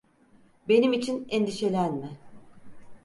Benim için endişelenme.